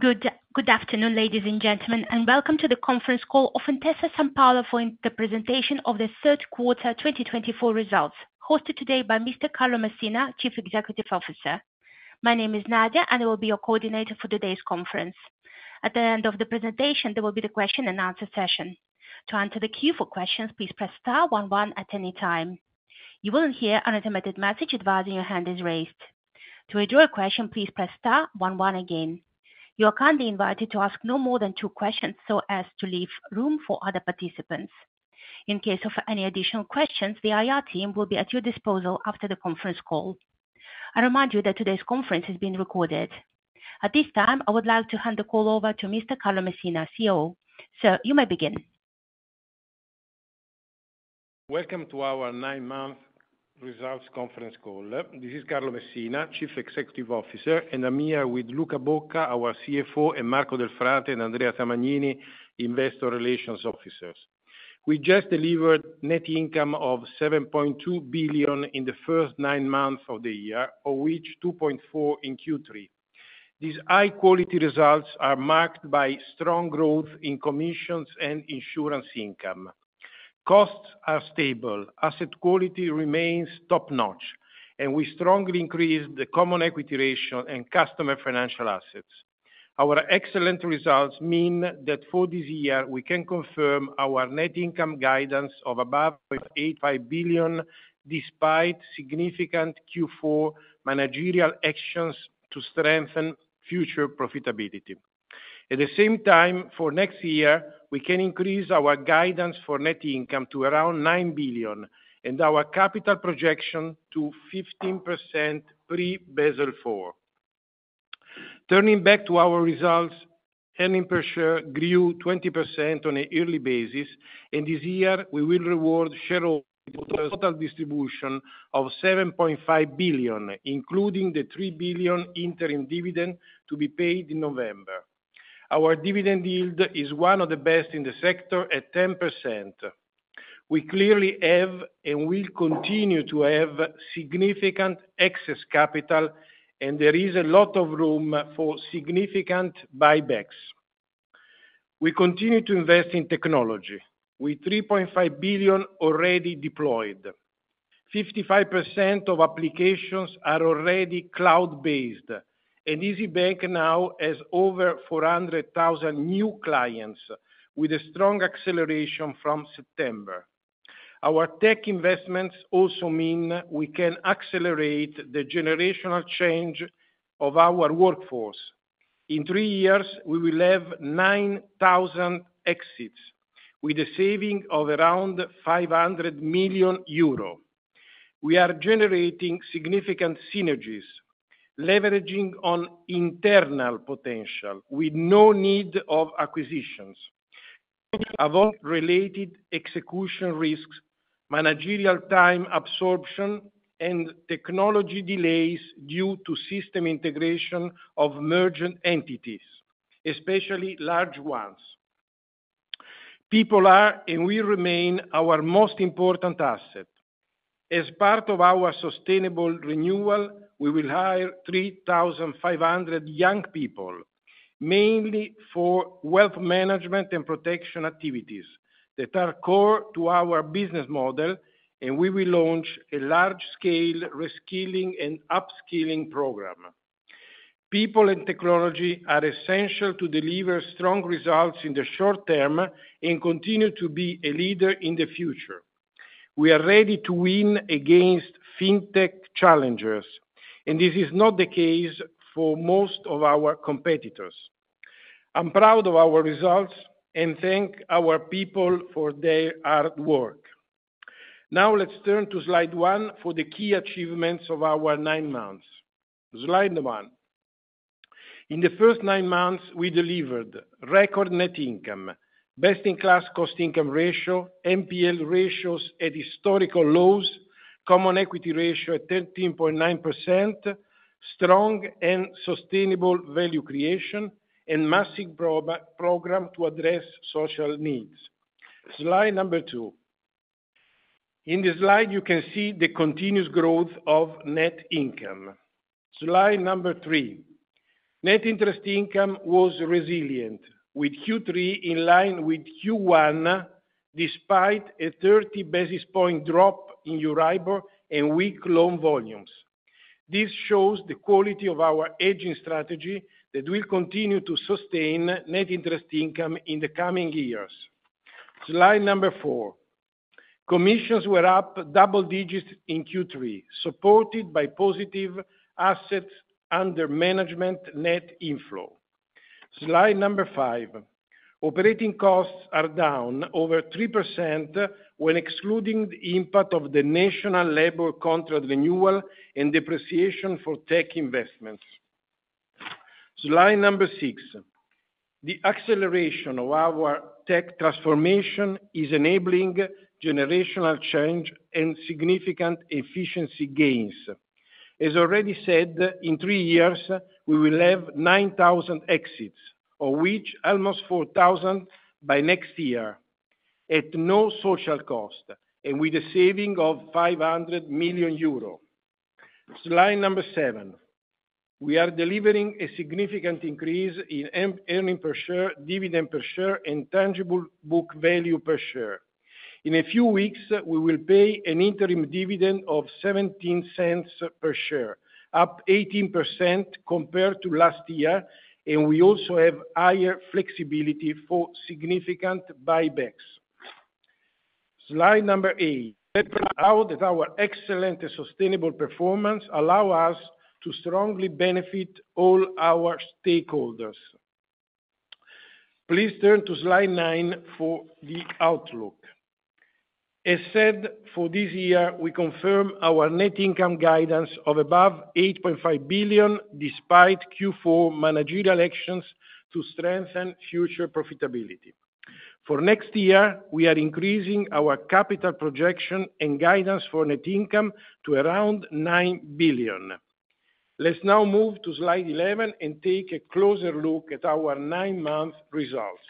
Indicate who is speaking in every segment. Speaker 1: Good afternoon, ladies and gentlemen, and welcome to the conference call of Intesa Sanpaolo for the presentation of the third quarter 2024 results, hosted today by Mr. Carlo Messina, Chief Executive Officer. My name is Nadia, and I will be your coordinator for today's conference. At the end of the presentation, there will be a question-and-answer session. To answer the queue for questions, please press star one one at any time. You will hear an automated message advising your hand is raised. To withdraw a question, please press star one one again. You are kindly invited to ask no more than two questions so as to leave room for other participants. In case of any additional questions, the IR team will be at your disposal after the conference call. I remind you that today's conference is being recorded. At this time, I would like to hand the call over to Mr. Carlo Messina, CEO. Sir, you may begin.
Speaker 2: Welcome to our nine-month results conference call. This is Carlo Messina, Chief Executive Officer, and I'm here with Luca Bocca, our CFO, and Marco Delfrate and Andrea Tamanini, Investor Relations Officers. We just delivered net income of 7.2 billion in the first nine months of the year, of which 2.4 billion in Q3. These high-quality results are marked by strong growth in commissions and insurance income. Costs are stable. Asset quality remains top-notch, and we strongly increased the common equity ratio and customer financial assets. Our excellent results mean that for this year, we can confirm our net income guidance of above 8.5 billion, despite significant Q4 managerial actions to strengthen future profitability. At the same time, for next year, we can increase our guidance for net income to around 9 billion and our capital projection to 15% pre-Basel IV. Turning back to our results, earnings per share grew 20% on a yearly basis, and this year, we will reward shareholders with a total distribution of 7.5 billion, including the 3 billion interim dividend to be paid in November. Our dividend yield is one of the best in the sector at 10%. We clearly have and will continue to have significant excess capital, and there is a lot of room for significant buybacks. We continue to invest in technology, with 3.5 billion already deployed. 55% of applications are already cloud-based, and Isybank now has over 400,000 new clients, with a strong acceleration from September. Our tech investments also mean we can accelerate the generational change of our workforce. In three years, we will have 9,000 exits, with a saving of around 500 million euro. We are generating significant synergies, leveraging on internal potential, with no need of acquisitions, above related execution risks, managerial time absorption, and technology delays due to system integration of merged entities, especially large ones. People are, and will remain, our most important asset. As part of our sustainable renewal, we will hire 3,500 young people, mainly for wealth management and protection activities that are core to our business model, and we will launch a large-scale reskilling and upskilling program. People and technology are essential to deliver strong results in the short term and continue to be a leader in the future. We are ready to win against fintech challengers, and this is not the case for most of our competitors. I'm proud of our results and thank our people for their hard work. Now, let's turn to slide one for the key achievements of our nine months. Slide one. In the first nine months, we delivered record net income, best-in-class cost-income ratio, NPL ratios at historical lows, common equity ratio at 13.9%, strong and sustainable value creation, and massive program to address social needs. Slide number two. In this slide, you can see the continuous growth of net income. Slide number three. Net interest income was resilient, with Q3 in line with Q1, despite a 30 basis point drop in Euribor and weak loan volumes. This shows the quality of our hedging strategy that will continue to sustain net interest income in the coming years. Slide number four. Commissions were up double digits in Q3, supported by positive assets under management net inflow. Slide number five. Operating costs are down over 3% when excluding the impact of the national labor contract renewal and depreciation for tech investments. Slide number six. The acceleration of our tech transformation is enabling generational change and significant efficiency gains. As already said, in three years, we will have 9,000 exits, of which almost 4,000 by next year, at no social cost and with a saving of 500 million euro. Slide number seven. We are delivering a significant increase in earnings per share, dividend per share, and tangible book value per share. In a few weeks, we will pay an interim dividend of 0.17 per share, up 18% compared to last year, and we also have higher flexibility for significant buybacks. Slide number eight. Let's point out that our excellent sustainable performance allows us to strongly benefit all our stakeholders. Please turn to slide nine for the outlook. As said, for this year, we confirm our net income guidance of above 8.5 billion, despite Q4 managerial actions to strengthen future profitability. For next year, we are increasing our capital projection and guidance for net income to around 9 billion. Let's now move to slide 11 and take a closer look at our nine-month results.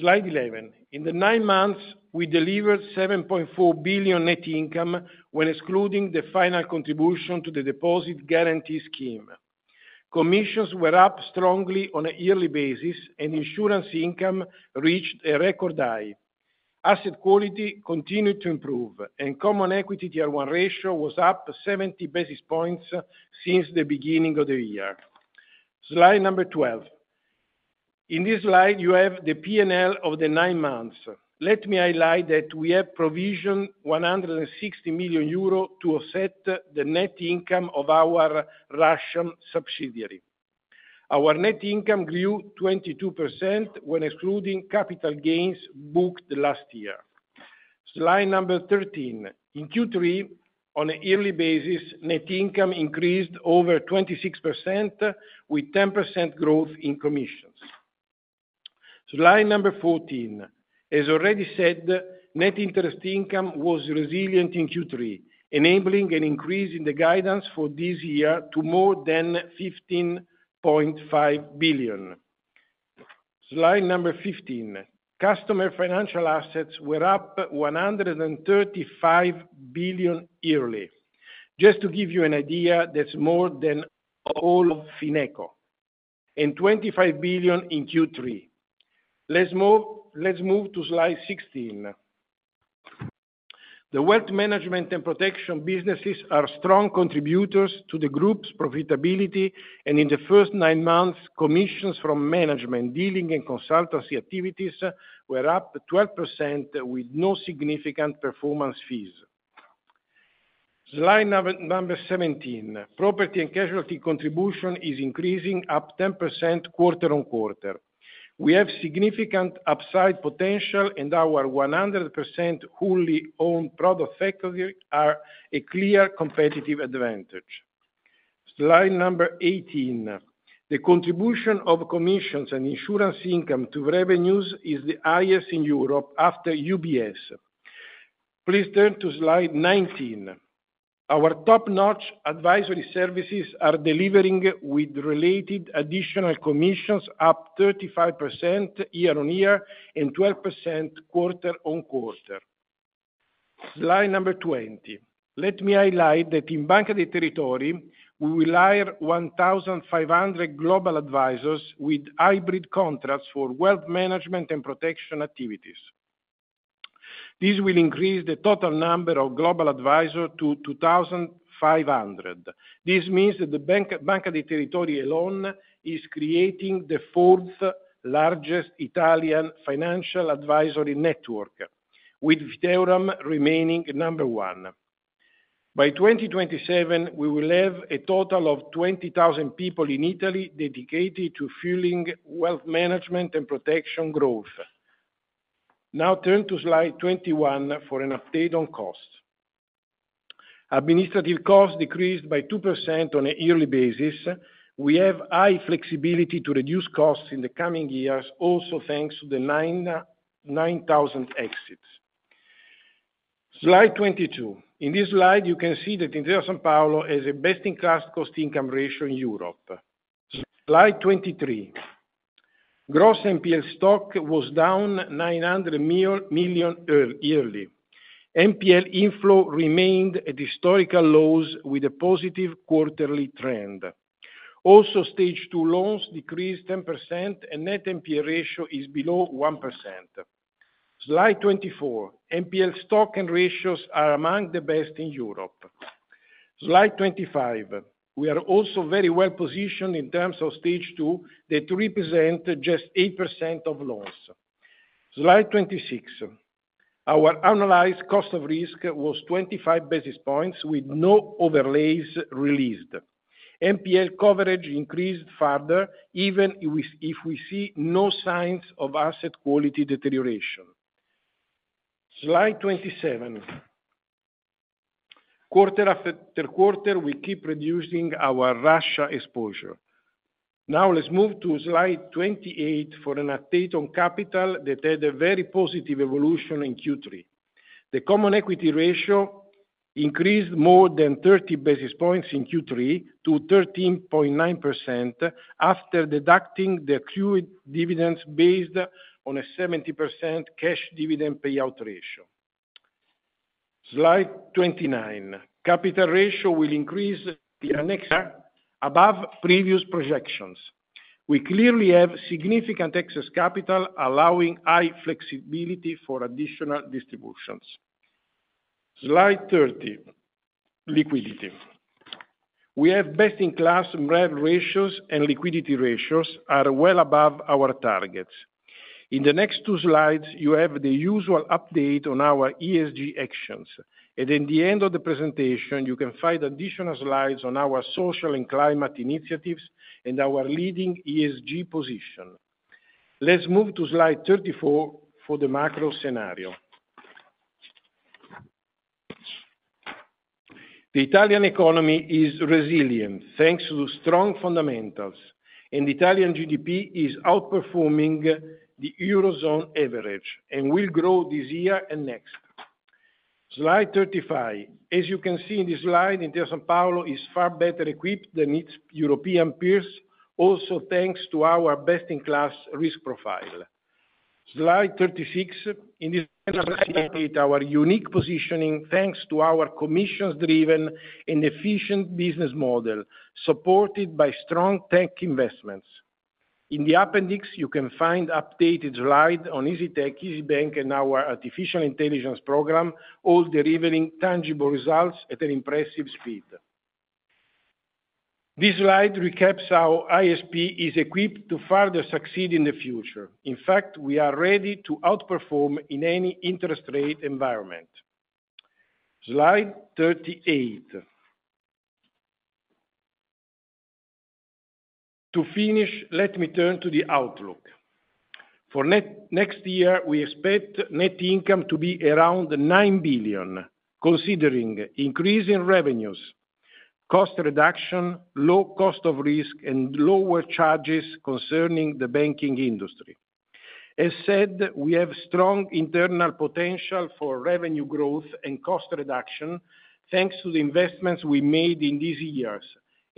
Speaker 2: Slide 11. In the nine months, we delivered 7.4 billion net income when excluding the final contribution to the deposit guarantee scheme. Commissions were up strongly on a yearly basis, and insurance income reached a record high. Asset quality continued to improve, and Common Equity Tier 1 ratio was up 70 basis points since the beginning of the year. Slide number 12. In this slide, you have the P&L of the nine months. Let me highlight that we have provisioned 160 million euro to offset the net income of our Russian subsidiary. Our net income grew 22% when excluding capital gains booked last year. Slide number 13. In Q3, on a yearly basis, net income increased over 26%, with 10% growth in commissions. Slide number 14. As already said, net interest income was resilient in Q3, enabling an increase in the guidance for this year to more than 15.5 billion. Slide number 15. Customer financial assets were up 135 billion yearly. Just to give you an idea, that's more than all of Fineco, and 25 billion in Q3. Let's move to slide 16. The wealth management and protection businesses are strong contributors to the group's profitability, and in the first nine months, commissions from management, dealing, and consultancy activities were up 12%, with no significant performance fees. Slide number 17. Property and casualty contribution is increasing up 10% quarter-on-quarter. We have significant upside potential, and our 100% wholly owned product factories is a clear competitive advantage. Slide number 18. The contribution of commissions and insurance income to revenues is the highest in Europe after UBS. Please turn to slide 19. Our top-notch advisory services are delivering with related additional commissions up 35% year-on-year and 12% quarter-on-quarter. Slide number 20. Let me highlight that in Banca dei Territori, we will hire 1,500 Global Advisors with hybrid contracts for wealth management and protection activities. This will increase the total number of Global Advisors to 2,500. This means that the Banca dei Territori alone is creating the fourth largest Italian financial advisory network, with Fideuram remaining number one. By 2027, we will have a total of 20,000 people in Italy dedicated to fueling wealth management and protection growth. Now, turn to slide 21 for an update on costs. Administrative costs decreased by 2% on a yearly basis. We have high flexibility to reduce costs in the coming years, also thanks to the 9,000 exits. Slide 22. In this slide, you can see that Intesa Sanpaolo has a best-in-class cost-income ratio in Europe. Slide 23. Gross NPL stock was down 900 million yearly. NPL inflow remained at historical lows with a positive quarterly trend. Also, Stage 2 loans decreased 10%, and net NPL ratio is below 1%. Slide 24. NPL stock and ratios are among the best in Europe. Slide 25. We are also very well positioned in terms of Stage 2 that represents just 8% of loans. Slide 26. Our analyzed cost of risk was 25 basis points with no overlays released. NPL coverage increased further, even if we see no signs of asset quality deterioration. Slide 27. Quarter after quarter, we keep reducing our Russia exposure. Now, let's move to slide 28 for an update on capital that had a very positive evolution in Q3. The common equity ratio increased more than 30 basis points in Q3 to 13.9% after deducting the accrued dividends based on a 70% cash dividend payout ratio. Slide 29. Capital ratio will increase above previous projections. We clearly have significant excess capital, allowing high flexibility for additional distributions. Slide 30. Liquidity. We have best-in-class revenue ratios and liquidity ratios that are well above our targets. In the next two slides, you have the usual update on our ESG actions. And at the end of the presentation, you can find additional slides on our social and climate initiatives and our leading ESG position. Let's move to slide 34 for the macro scenario. The Italian economy is resilient thanks to strong fundamentals, and the Italian GDP is outperforming the Eurozone average and will grow this year and next. Slide 35. As you can see in this slide, Intesa Sanpaolo is far better equipped than its European peers, also thanks to our best-in-class risk profile. Slide 36. In this slide, we update our unique positioning thanks to our commissions-driven and efficient business model supported by strong tech investments. In the appendix, you can find updated slides on Isytech, Isybank, and our artificial intelligence program, all delivering tangible results at an impressive speed. This slide recaps how ISP is equipped to further succeed in the future. In fact, we are ready to outperform in any interest rate environment. Slide 38. To finish, let me turn to the outlook. For next year, we expect net income to be around 9 billion, considering increasing revenues, cost reduction, low cost of risk, and lower charges concerning the banking industry. As said, we have strong internal potential for revenue growth and cost reduction thanks to the investments we made in these years,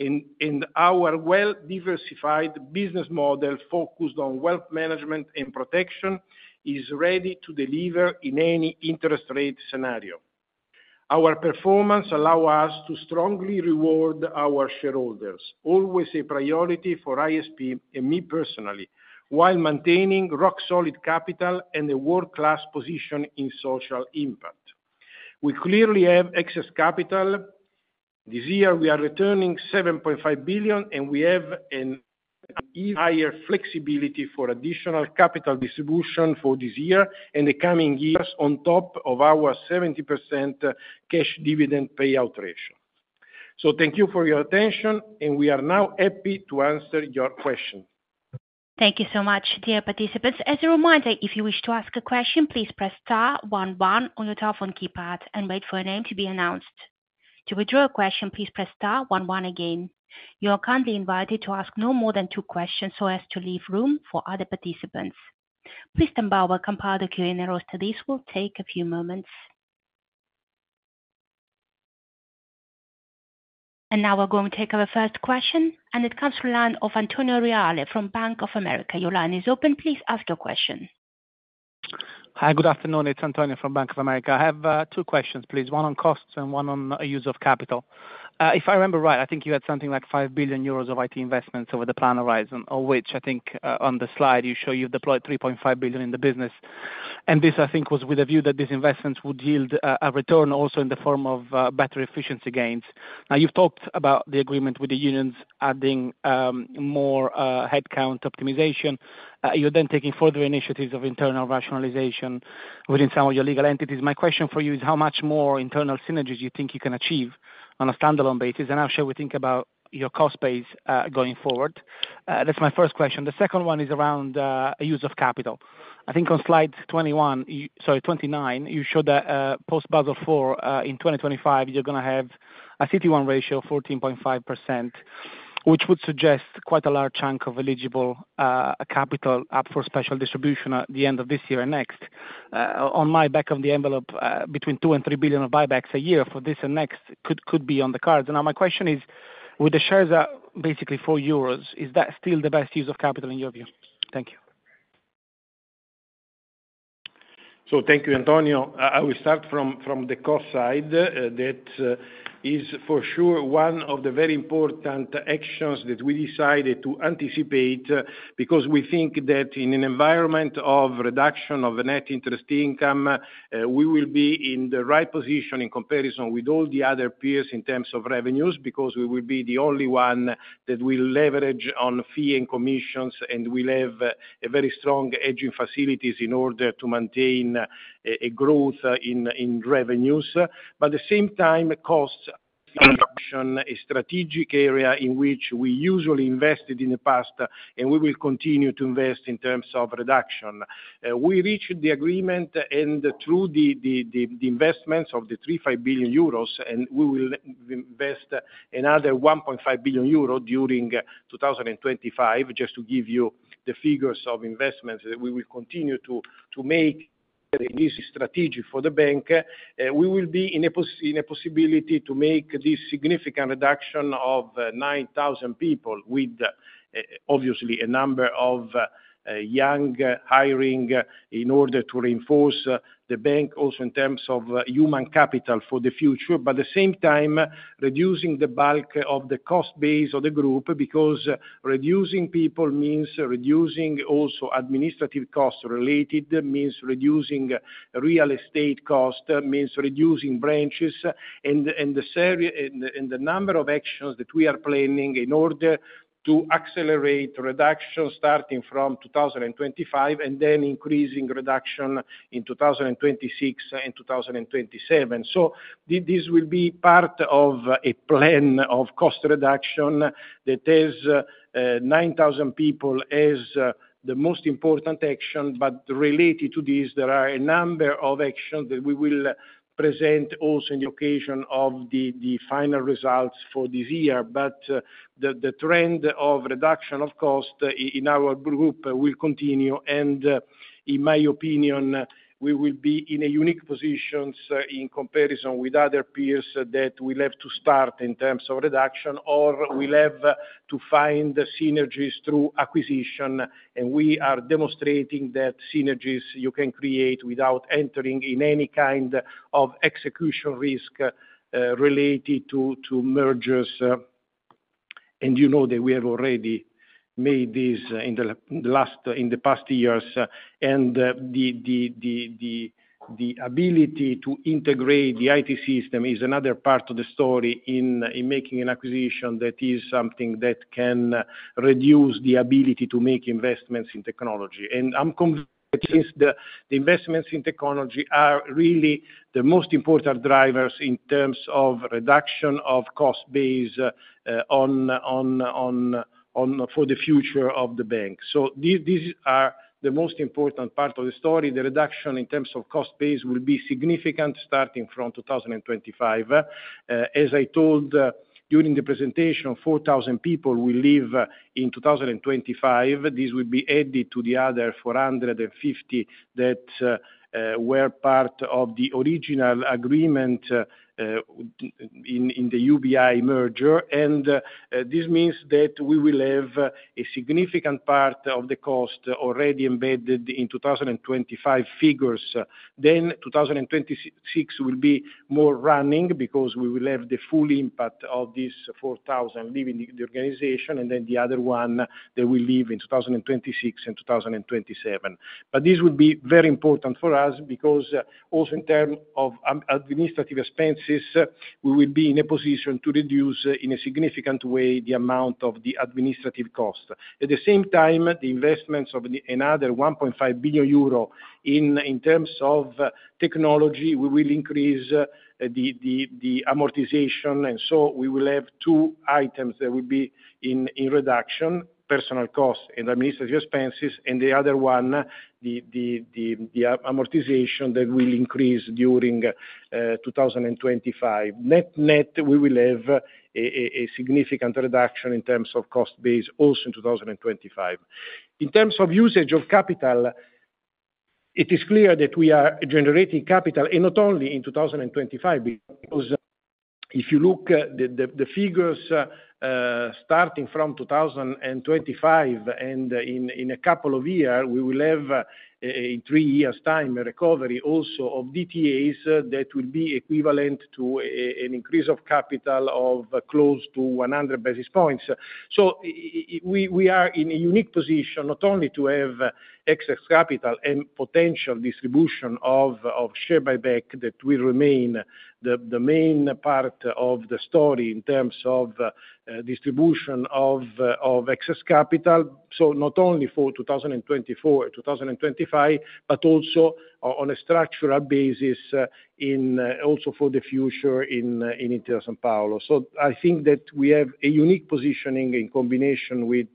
Speaker 2: and our well-diversified business model focused on wealth management and protection is ready to deliver in any interest rate scenario. Our performance allows us to strongly reward our shareholders, always a priority for ISP and me personally, while maintaining rock-solid capital and a world-class position in social impact. We clearly have excess capital. This year, we are returning 7.5 billion, and we have an even higher flexibility for additional capital distribution for this year and the coming years on top of our 70% cash dividend payout ratio. So thank you for your attention, and we are now happy to answer your questions.
Speaker 1: Thank you so much, dear participants. As a reminder, if you wish to ask a question, please press star one one on your telephone keypad and wait for a name to be announced. To withdraw a question, please press star one one again. You are kindly invited to ask no more than two questions so as to leave room for other participants. Please stand by while I compile the Q&A roster. This will take a few moments. And now we're going to take our first question, and it comes from the line of Antonio Reale from Bank of America. Your line is open. Please ask your question.
Speaker 3: Hi, good afternoon. It's Antonio from Bank of America. I have two questions, please. One on costs and one on use of capital. If I remember right, I think you had something like 5 billion euros of IT investments over the plan horizon, of which I think on the slide you show you've deployed 3.5 billion in the business. And this, I think, was with a view that these investments would yield a return also in the form of better efficiency gains. Now, you've talked about the agreement with the unions adding more headcount optimization. You're then taking further initiatives of internal rationalization within some of your legal entities. My question for you is, how much more internal synergies do you think you can achieve on a standalone basis? And I'll share what we think about your cost base going forward. That's my first question. The second one is around use of capital. I think on slide 21, sorry, 29, you showed that post-Basel IV in 2025, you're going to have a CET1 ratio of 14.5%, which would suggest quite a large chunk of eligible capital up for special distribution at the end of this year and next. On my back of the envelope, between 2 billion and 3 billion of buybacks a year for this and next could be on the cards. And now my question is, with the shares that are basically 4 euros, is that still the best use of capital in your view? Thank you.
Speaker 2: So thank you, Antonio. I will start from the cost side that is for sure one of the very important actions that we decided to anticipate because we think that in an environment of reduction of net interest income, we will be in the right position in comparison with all the other peers in terms of revenues because we will be the only one that will leverage on fee and commissions, and we have very strong hedging facilities in order to maintain a growth in revenues. But at the same time, costs are a strategic area in which we usually invested in the past, and we will continue to invest in terms of reduction. We reached the agreement, and through the investments of the 3.5 billion euros, we will invest another 1.5 billion euro during 2025. Just to give you the figures of investments that we will continue to make, it is strategic for the bank. We will be in a possibility to make this significant reduction of 9,000 people with, obviously, a number of young hiring in order to reinforce the bank also in terms of human capital for the future, but at the same time, reducing the bulk of the cost base of the group because reducing people means reducing also administrative costs related, means reducing real estate cost, means reducing branches, and the number of actions that we are planning in order to accelerate reduction starting from 2025 and then increasing reduction in 2026 and 2027, so this will be part of a plan of cost reduction that has 9,000 people as the most important action. But related to this, there are a number of actions that we will present also on the occasion of the final results for this year, but the trend of reduction of cost in our group will continue. And in my opinion, we will be in a unique position in comparison with other peers that we'll have to start in terms of reduction or we'll have to find synergies through acquisition. And we are demonstrating that synergies you can create without entering in any kind of execution risk related to mergers. And you know that we have already made this in the past years. And the ability to integrate the IT system is another part of the story in making an acquisition that is something that can reduce the ability to make investments in technology. And I'm convinced that the investments in technology are really the most important drivers in terms of reduction of cost base for the future of the bank. So these are the most important part of the story. The reduction in terms of cost base will be significant starting from 2025. As I told during the presentation, 4,000 people will leave in 2025. This will be added to the other 450 that were part of the original agreement in the UBI merger. And this means that we will have a significant part of the cost already embedded in 2025 figures. Then 2026 will be more running because we will have the full impact of these 4,000 leaving the organization, and then the other one that will leave in 2026 and 2027. But this will be very important for us because also in terms of administrative expenses, we will be in a position to reduce in a significant way the amount of the administrative cost. At the same time, the investments of another 1.5 billion euro in terms of technology, we will increase the amortization. And so we will have two items that will be in reduction: personal costs and administrative expenses, and the other one, the amortization that will increase during 2025. Net net, we will have a significant reduction in terms of cost base also in 2025. In terms of usage of capital, it is clear that we are generating capital, and not only in 2025, because if you look at the figures starting from 2025 and in a couple of years, we will have in three years' time a recovery also of DTAs that will be equivalent to an increase of capital of close to 100 basis points. So we are in a unique position not only to have excess capital and potential distribution of share buyback that will remain the main part of the story in terms of distribution of excess capital. So not only for 2024 and 2025, but also on a structural basis also for the future in Intesa Sanpaolo. So I think that we have a unique positioning in combination with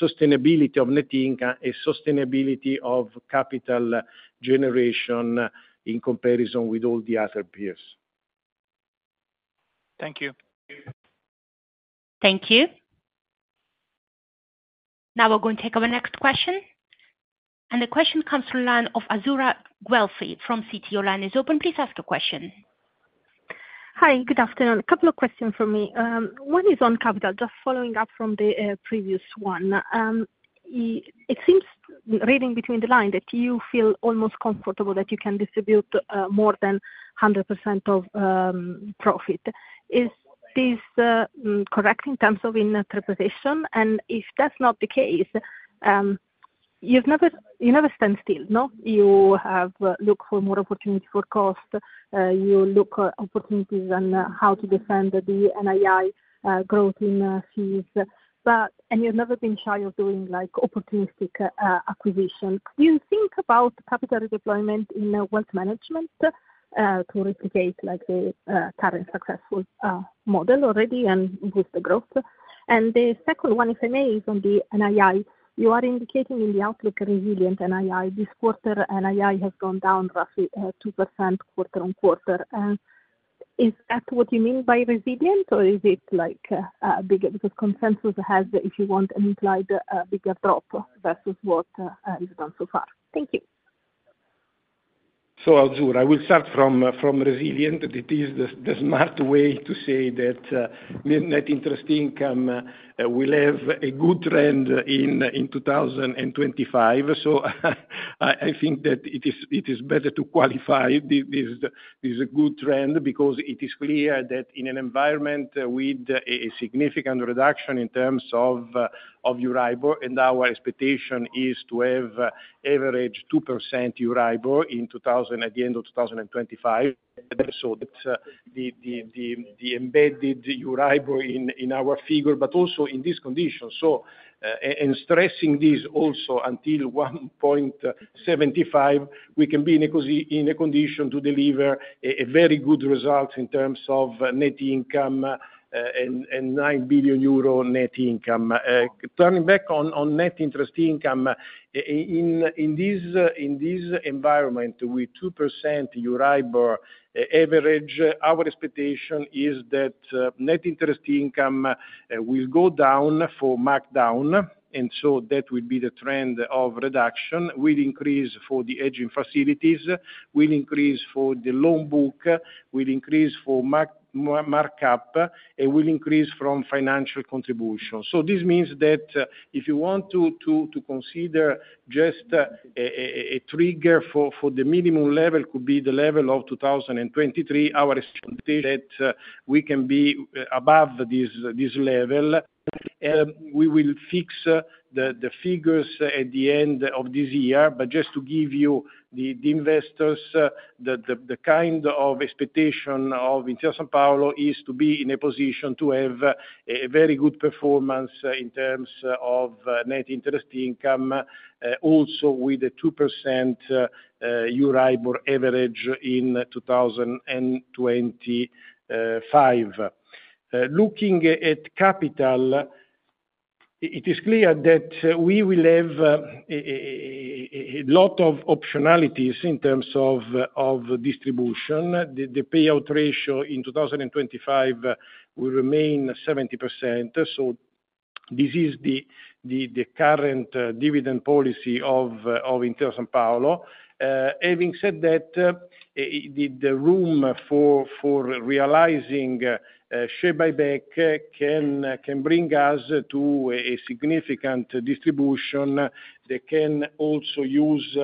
Speaker 2: sustainability of net income and sustainability of capital generation in comparison with all the other peers.
Speaker 3: Thank you.
Speaker 1: Thank you. Now we're going to take our next question. And the question comes from the line of Azzurra Guelfi from Citi. Line is open. Please ask a question.
Speaker 4: Hi, good afternoon. A couple of questions for me. One is on capital, just following up from the previous one. It seems reading between the lines that you feel almost comfortable that you can distribute more than 100% of profit. Is this correct in terms of interpretation? And if that's not the case, you never stand still, no? You have looked for more opportunities for cost. You look for opportunities on how to defend the NII growth in fees. And you've never been shy of doing opportunistic acquisitions. Do you think about capital redeployment in wealth management to replicate the current successful model already and with the growth? And the second one, if I may, is on the NII. You are indicating in the outlook a resilient NII. This quarter, NII has gone down roughly 2% quarter-on-quarter. Is that what you mean by resilient, or is it like a bigger? Because consensus has, if you want, an implied bigger drop versus what has gone so far. Thank you.
Speaker 2: So Azzurra, I will start from resilient. It is the smart way to say that net interest income will have a good trend in 2025. I think that it is better to qualify this good trend because it is clear that in an environment with a significant reduction in terms of Euribor, and our expectation is to have average 2% Euribor at the end of 2025. So it's the embedded Euribor in our figure, but also in this condition. And stressing this also until 1.75%, we can be in a condition to deliver a very good result in terms of net income and 9 billion euro net income. Turning back on net interest income, in this environment with 2% Euribor average, our expectation is that net interest income will go down for markdown. And so that will be the trend of reduction. We'll increase for the hedging facilities, we'll increase for the loan book, we'll increase for markup, and we'll increase from financial contribution. So this means that if you want to consider just a trigger for the minimum level, it could be the level of 2023. Our expectation is that we can be above this level. We will fix the figures at the end of this year. But just to give you, the investors, the kind of expectation of Intesa Sanpaolo is to be in a position to have a very good performance in terms of net interest income, also with a 2% Euribor average in 2025. Looking at capital, it is clear that we will have a lot of optionalities in terms of distribution. The payout ratio in 2025 will remain 70%. So this is the current dividend policy of Intesa Sanpaolo. Having said that, the room for realizing share buyback can bring us to a significant distribution that can also use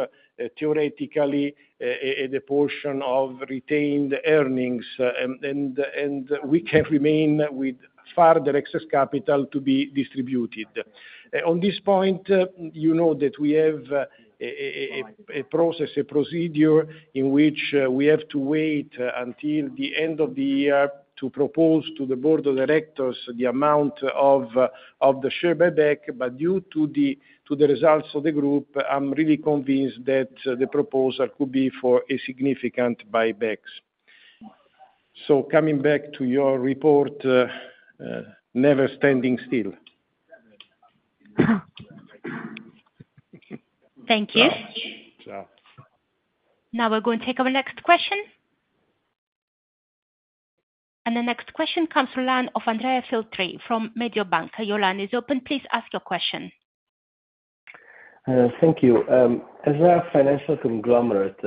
Speaker 2: theoretically a portion of retained earnings, and we can remain with further excess capital to be distributed. On this point, you know that we have a process, a procedure in which we have to wait until the end of the year to propose to the board of directors the amount of the share buyback. But due to the results of the group, I'm really convinced that the proposal could be for a significant buyback. So coming back to your report, never standing still.
Speaker 1: Thank you. Now we're going to take our next question. And the next question comes from the line of Andrea Filtri from Mediobanca. Your line is open. Please ask your question.
Speaker 5: Thank you. As a financial conglomerate,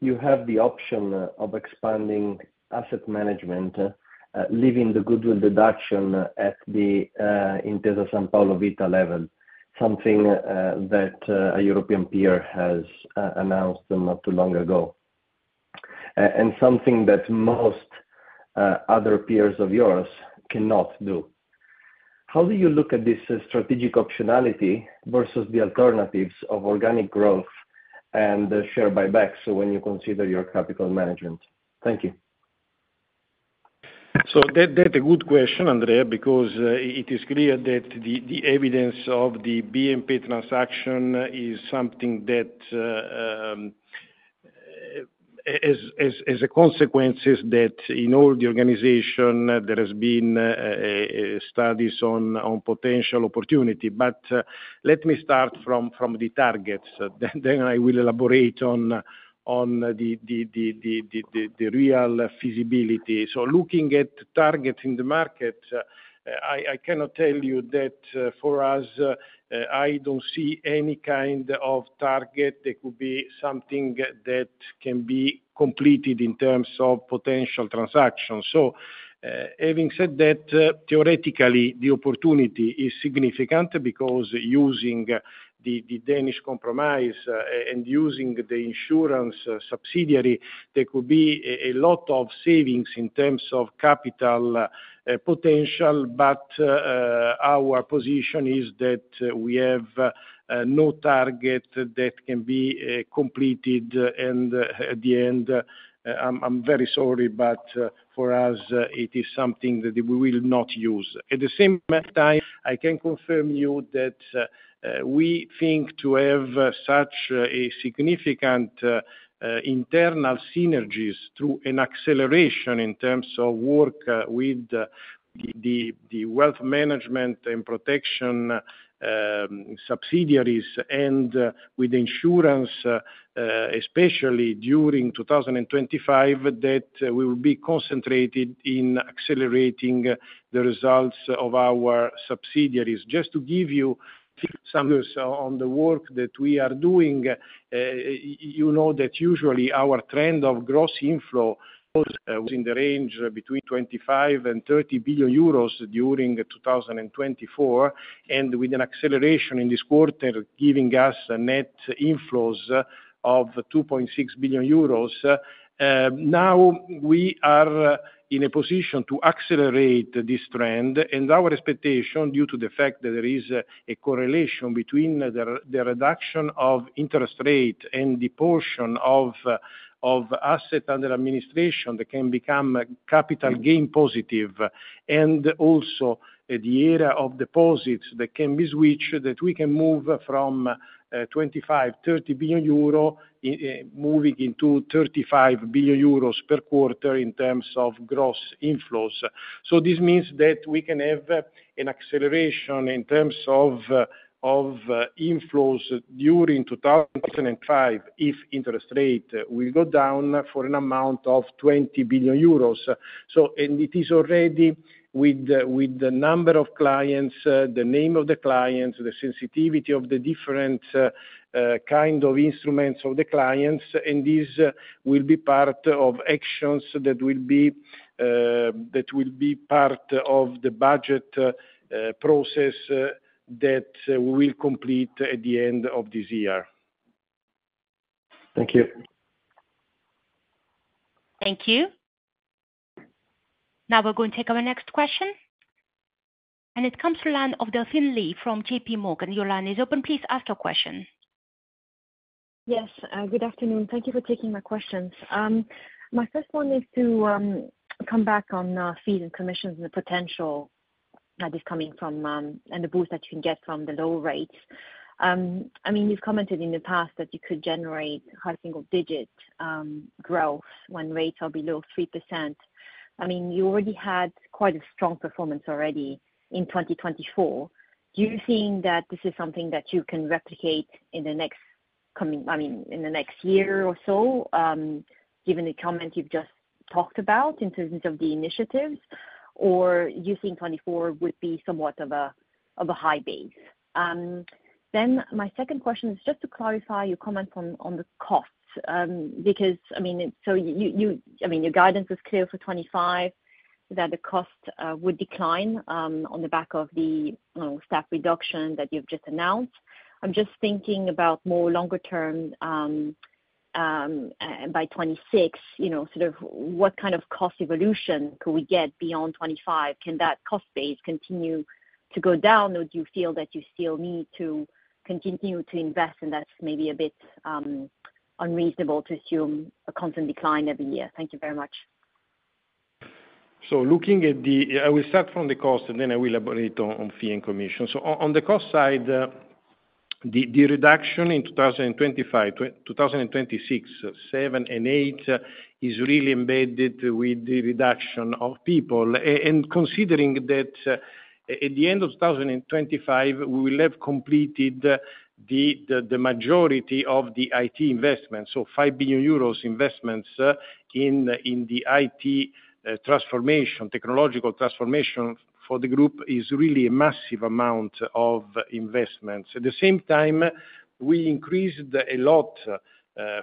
Speaker 5: you have the option of expanding asset management, leaving the goodwill deduction at the Intesa Sanpaolo Vita level, something that a European peer has announced not too long ago, and something that most other peers of yours cannot do. How do you look at this strategic optionality versus the alternatives of organic growth and share buyback when you consider your capital management? Thank you.
Speaker 2: So that's a good question, Andrea, because it is clear that the evidence of the BNP transaction is something that has a consequence that in all the organization, there have been studies on potential opportunity. But let me start from the targets. Then I will elaborate on the real feasibility. So looking at targets in the market, I cannot tell you that for us, I don't see any kind of target that could be something that can be completed in terms of potential transactions. So having said that, theoretically, the opportunity is significant because using the Danish Compromise and using the insurance subsidiary, there could be a lot of savings in terms of capital potential. But our position is that we have no target that can be completed. And at the end, I'm very sorry, but for us, it is something that we will not use. At the same time, I can confirm you that we think to have such a significant internal synergies through an acceleration in terms of work with the wealth management and protection subsidiaries and with insurance, especially during 2025, that we will be concentrated in accelerating the results of our subsidiaries. Just to give you some views on the work that we are doing, you know that usually our trend of gross inflow was in the range between 25 and 30 billion euros during 2024, and with an acceleration in this quarter giving us net inflows of 2.6 billion euros. Now we are in a position to accelerate this trend. And our expectation, due to the fact that there is a correlation between the reduction of interest rate and the portion of asset under administration that can become capital gain positive, and also the area of deposits that can be switched, that we can move from 25 billion euro, 30 billion euro moving into 35 billion euros per quarter in terms of gross inflows. So this means that we can have an acceleration in terms of inflows during 2025 if interest rate will go down for an amount of 20 billion euros. And it is already with the number of clients, the name of the clients, the sensitivity of the different kinds of instruments of the clients. And this will be part of actions that will be part of the budget process that we will complete at the end of this year.
Speaker 5: Thank you.
Speaker 1: Thank you. Now we're going to take our next question. And it comes from the line of Delphine Lee from JPMorgan. Your line is open. Please ask your question.
Speaker 6: Yes. Good afternoon. Thank you for taking my questions. My first one is to come back on fees and commissions and the potential that is coming from and the boost that you can get from the low rates. I mean, you've commented in the past that you could generate high single-digit growth when rates are below 3%. I mean, you already had quite a strong performance already in 2024. Do you think that this is something that you can replicate in the next coming I mean, in the next year or so, given the comment you've just talked about in terms of the initiatives, or do you think 2024 would be somewhat of a high base? Then my second question is just to clarify your comment on the costs. Because, I mean, your guidance was clear for 2025 that the costs would decline on the back of the staff reduction that you've just announced. I'm just thinking about more longer-term by 2026, sort of what kind of cost evolution could we get beyond 2025? Can that cost base continue to go down, or do you feel that you still need to continue to invest, and that's maybe a bit unreasonable to assume a constant decline every year? Thank you very much.
Speaker 2: So looking at the I will start from the cost, and then I will elaborate on fee and commission. So on the cost side, the reduction in 2025, 2026, 2027, and 2028 is really embedded with the reduction of people. And considering that at the end of 2025, we will have completed the majority of the IT investments, so 5 billion euros investments in the IT transformation, technological transformation for the group is really a massive amount of investments. At the same time, we increased a lot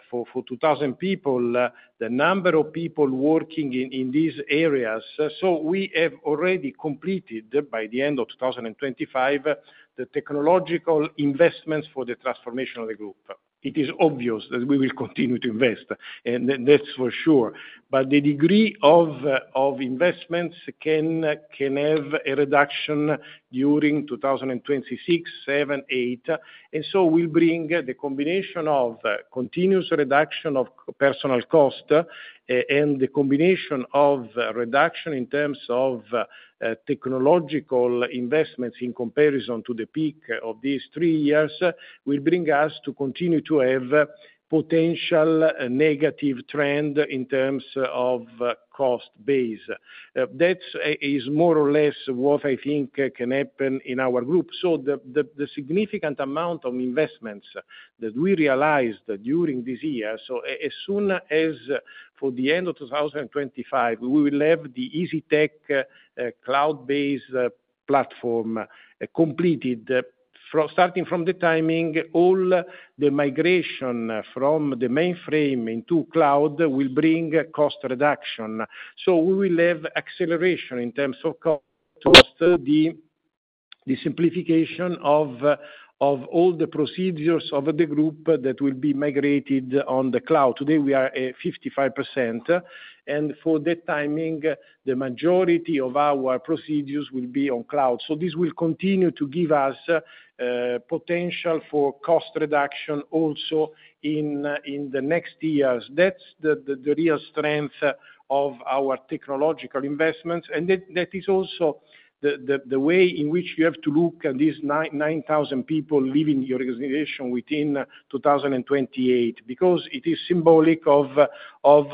Speaker 2: for 2,000 people, the number of people working in these areas. We have already completed by the end of 2025 the technological investments for the transformation of the group. It is obvious that we will continue to invest, and that's for sure. But the degree of investments can have a reduction during 2026, 2027, and 2028. And so we'll bring the combination of continuous reduction of personnel cost and the combination of reduction in terms of technological investments in comparison to the peak of these three years will bring us to continue to have a potential negative trend in terms of cost base. That is more or less what I think can happen in our group. The significant amount of investments that we realized during this year, so as soon as for the end of 2025, we will have the Isytech cloud-based platform completed. Starting from the timing, all the migration from the mainframe into cloud will bring cost reduction. So we will have acceleration in terms of cost, the simplification of all the procedures of the group that will be migrated on the cloud. Today, we are at 55%. And for that timing, the majority of our procedures will be on cloud. So this will continue to give us potential for cost reduction also in the next years. That's the real strength of our technological investments. And that is also the way in which you have to look at these 9,000 people leaving your organization within 2028 because it is symbolic of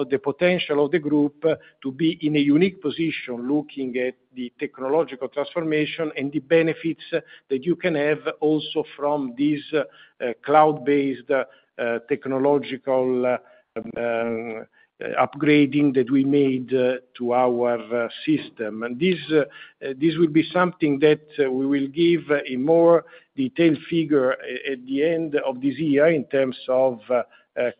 Speaker 2: the potential of the group to be in a unique position looking at the technological transformation and the benefits that you can have also from this cloud-based technological upgrading that we made to our system. This will be something that we will give a more detailed figure at the end of this year in terms of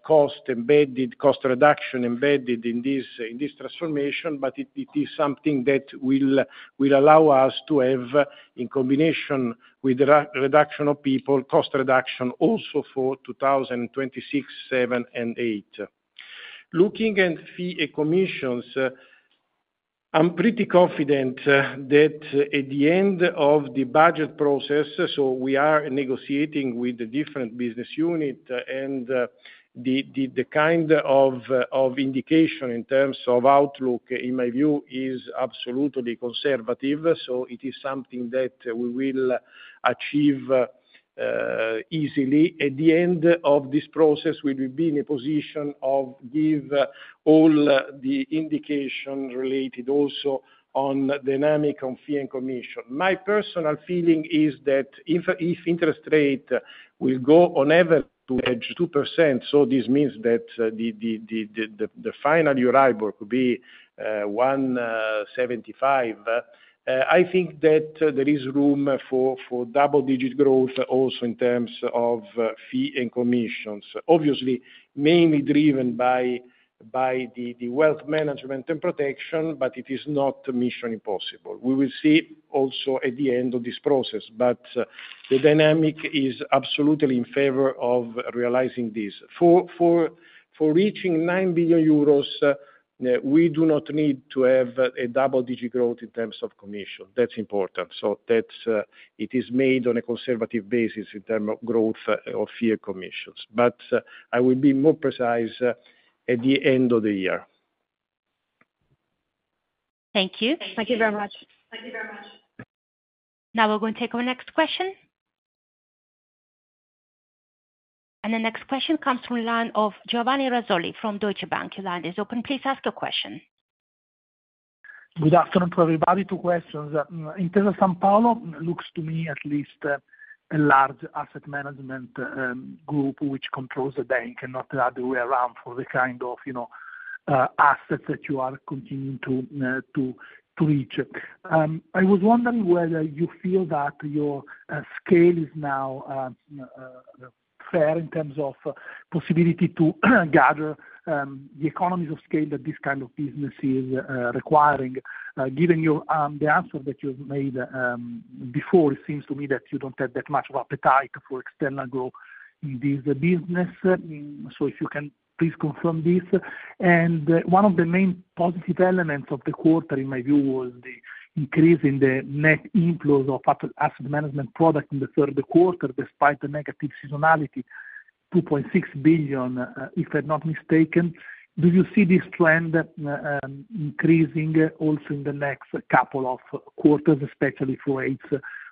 Speaker 2: cost embedded, cost reduction embedded in this transformation, but it is something that will allow us to have, in combination with the reduction of people, cost reduction also for 2026, 2027, and 2028. Looking at fee and commissions, I'm pretty confident that at the end of the budget process, so we are negotiating with the different business units, and the kind of indication in terms of outlook, in my view, is absolutely conservative, so it is something that we will achieve easily. At the end of this process, we will be in a position to give all the indication related also on dynamic on fee and commission. My personal feeling is that if interest rate will go on average to 2%, so this means that the final Euribor could be 1.75. I think that there is room for double-digit growth also in terms of fee and commissions, obviously mainly driven by the wealth management and protection, but it is not mission impossible. We will see also at the end of this process, but the dynamic is absolutely in favor of realizing this. For reaching 9 billion euros, we do not need to have a double-digit growth in terms of commission. That's important. So it is made on a conservative basis in terms of growth of fee and commissions. But I will be more precise at the end of the year.
Speaker 1: Thank you.
Speaker 6: Thank you very much.
Speaker 1: Thank you very much. Now we're going to take our next question. And the next question comes from the line of Giovanni Razzoli from Deutsche Bank. Your line is open. Please ask your question.
Speaker 7: Good afternoon to everybody. Two questions. Intesa Sanpaolo looks to me, at least, a large asset management group which controls the bank and not the other way around for the kind of assets that you are continuing to reach. I was wondering whether you feel that your scale is now fair in terms of possibility to gather the economies of scale that this kind of business is requiring. Given the answer that you've made before, it seems to me that you don't have that much of an appetite for external growth in this business. So if you can please confirm this. One of the main positive elements of the quarter, in my view, was the increase in the net inflows of asset management product in the third quarter despite the negative seasonality, 2.6 billion, if I'm not mistaken. Do you see this trend increasing also in the next couple of quarters, especially for rates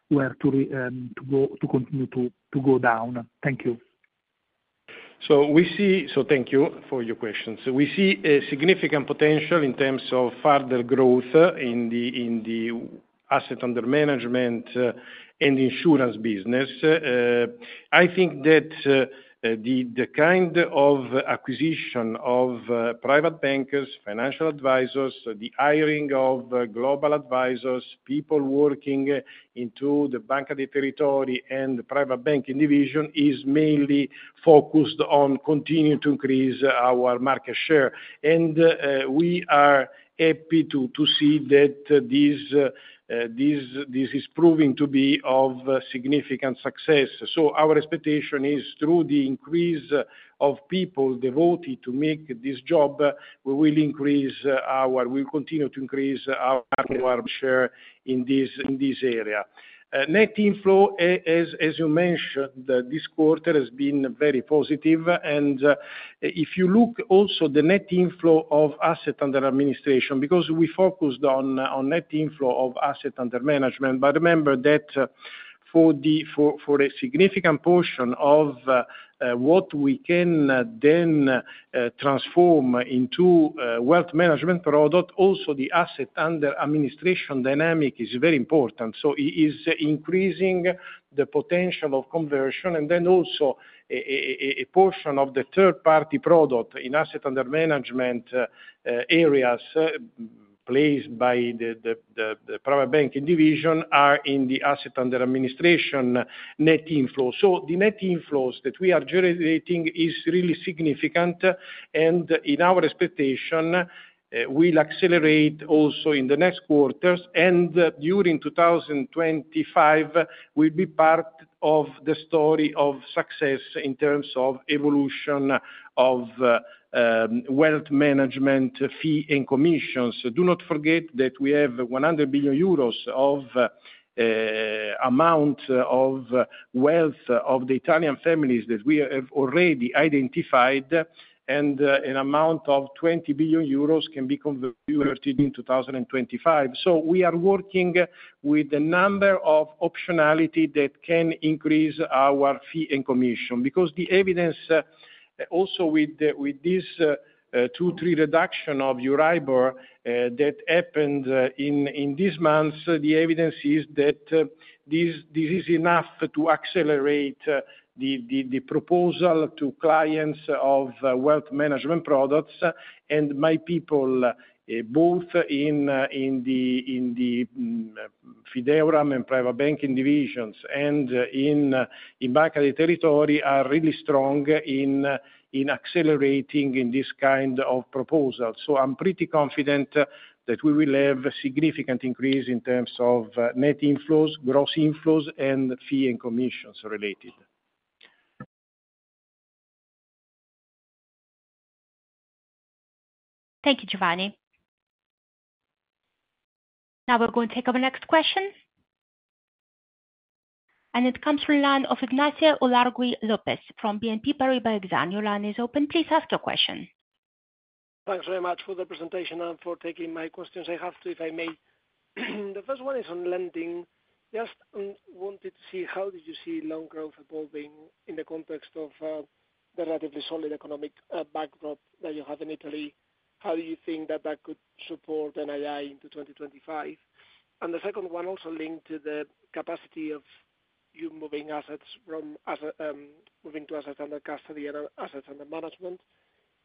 Speaker 7: where to continue to go down? Thank you.
Speaker 2: Thank you for your questions. We see a significant potential in terms of further growth in the asset under management and insurance business. I think that the kind of acquisition of private bankers, financial advisors, the hiring of Global Advisors, people working into the Banca dei Territori and the Private Banking Division is mainly focused on continuing to increase our market share. We are happy to see that this is proving to be of significant success. So our expectation is through the increase of people devoted to make this job, we will continue to increase our market share in this area. Net inflow, as you mentioned, this quarter has been very positive. And if you look also at the net inflow of asset under administration, because we focused on net inflow of asset under management, but remember that for a significant portion of what we can then transform into wealth management product, also the asset under administration dynamic is very important. So it is increasing the potential of conversion. And then also a portion of the third-party product in asset under management areas placed by the Private Banking Division are in the asset under administration net inflow. So the net inflows that we are generating is really significant. And in our expectation, we'll accelerate also in the next quarters. And during 2025, we'll be part of the story of success in terms of evolution of wealth management, fee, and commissions. Do not forget that we have 100 billion euros of amount of wealth of the Italian families that we have already identified, and an amount of 20 billion euros can be converted in 2025. So we are working with a number of optionality that can increase our fee and commission. Because the evidence also with this 2-3 reduction of Euribor that happened in these months, the evidence is that this is enough to accelerate the proposal to clients of wealth management products. And my people, both in the Fideuram and Private Banking Divisions and in Banca dei Territori, are really strong in accelerating in this kind of proposal. So I'm pretty confident that we will have a significant increase in terms of net inflows, gross inflows, and fees and commissions related.
Speaker 1: Thank you, Giovanni. Now we're going to take our next question, and it comes from the line of Ignacio Ulargui from BNP Paribas Exane. Your line is open. Please ask your question.
Speaker 8: Thanks very much for the presentation and for taking my questions. I have two, if I may. The first one is on lending. Just wanted to see how you see loan growth evolving in the context of the relatively solid economic backdrop that you have in Italy. How do you think that that could support NII into 2025? And the second one also linked to the capacity of you moving assets from moving to asset under custody and asset under management.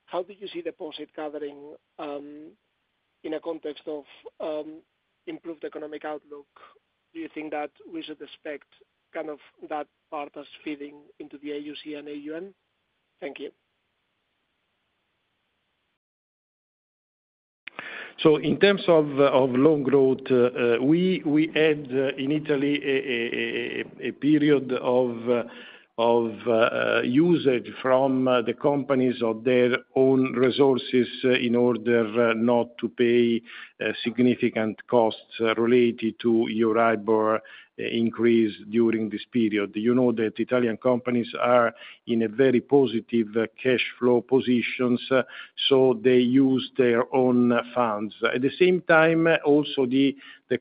Speaker 8: How do you see deposit gathering in a context of improved economic outlook? Do you think that we should expect kind of that part as feeding into the AUA and AUM? Thank you.
Speaker 2: So in terms of loan growth, we had in Italy a period of usage from the companies of their own resources in order not to pay significant costs related to Euribor increase during this period. You know that Italian companies are in a very positive cash flow positions, so they use their own funds. At the same time, also the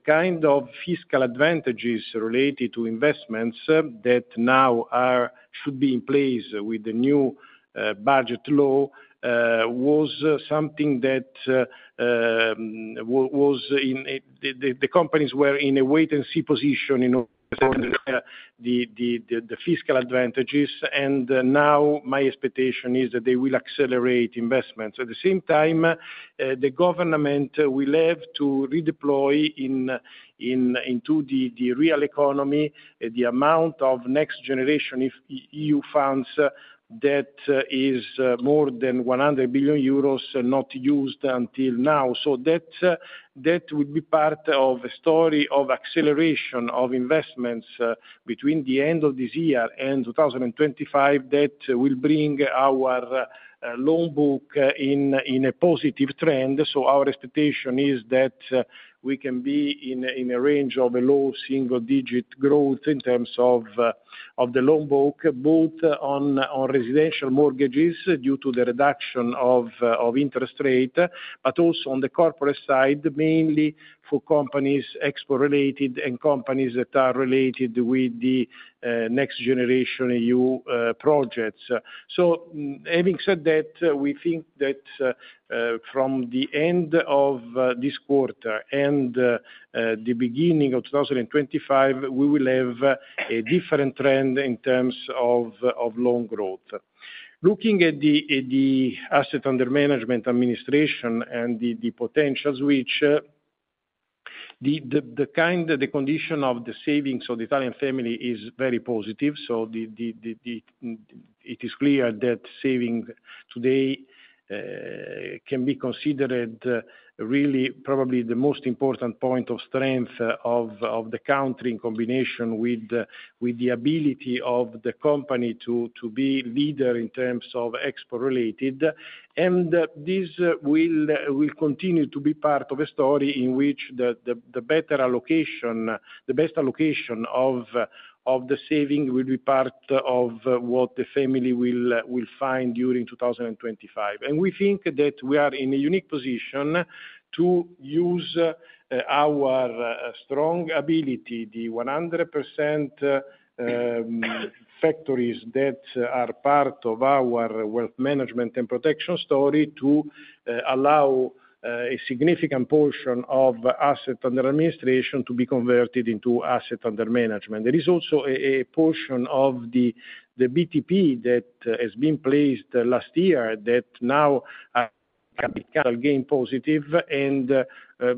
Speaker 2: kind of fiscal advantages related to investments that now should be in place with the new budget law was something that the companies were in a wait-and-see position in order to have the fiscal advantages. And now my expectation is that they will accelerate investments. At the same time, the government will have to redeploy into the real economy the amount of NextGenerationEU funds that is more than 100 billion euros not used until now, so that will be part of a story of acceleration of investments between the end of this year and 2025 that will bring our loan book in a positive trend, so our expectation is that we can be in a range of low single-digit growth in terms of the loan book, both on residential mortgages due to the reduction of interest rate, but also on the corporate side, mainly for companies export-related and companies that are related with the NextGenerationEU projects, so having said that, we think that from the end of this quarter and the beginning of 2025, we will have a different trend in terms of loan growth. Looking at the asset under management administration and the potentials, which the kind of the condition of the savings of the Italian family is very positive, so it is clear that saving today can be considered really probably the most important point of strength of the country in combination with the ability of the company to be leader in terms of export-related. And this will continue to be part of a story in which the better allocation, the best allocation of the saving will be part of what the family will find during 2025, and we think that we are in a unique position to use our strong ability, the 100% factories that are part of our wealth management and protection story to allow a significant portion of asset under administration to be converted into asset under management. There is also a portion of the BTP that has been placed last year that now has gained positive. And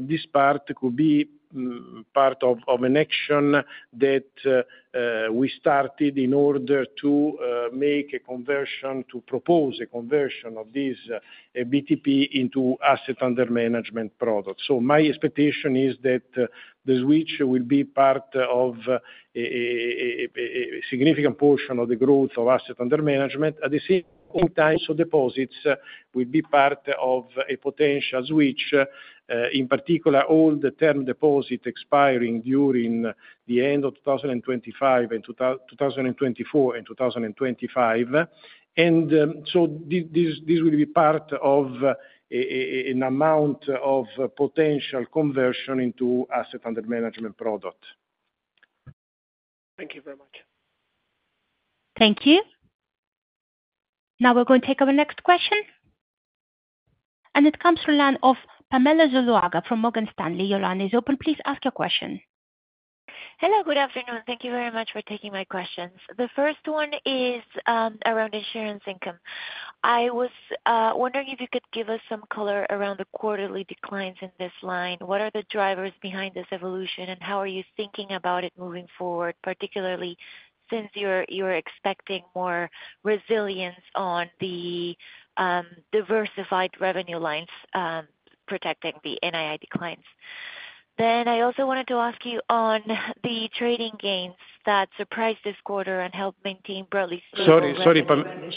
Speaker 2: this part could be part of an action that we started in order to make a conversion, to propose a conversion of this BTP into asset under management product. So my expectation is that the switch will be part of a significant portion of the growth of asset under management. At the same time, so deposits will be part of a potential switch, in particular, all the term deposit expiring during the end of 2025 and 2024 and 2025. And so this will be part of an amount of potential conversion into asset under management product.
Speaker 8: Thank you very much.
Speaker 1: Thank you. Now we're going to take our next question. And it comes from the line of Pamela Zuluaga from Morgan Stanley. Your line is open. Please ask your question.
Speaker 9: Hello. Good afternoon. Thank you very much for taking my questions. The first one is around insurance income. I was wondering if you could give us some color around the quarterly declines in this line. What are the drivers behind this evolution, and how are you thinking about it moving forward, particularly since you're expecting more resilience on the diversified revenue lines protecting the NII declines? Then I also wanted to ask you on the trading gains that surprised this quarter and helped maintain the bank's performance.